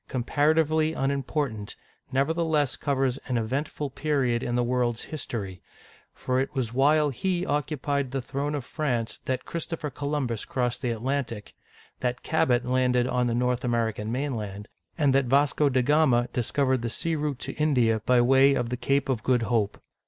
comparatively unimportant, nevertheless covers an eventful period in the world's his tory, for it was while he occupied the throne of France that Christopher Columbus crossed the Atlantic, that Cabot landed on the North American mainland, and that Vasco da Ga'ma discovered the sea route to India by way of the Cape of Good Hope.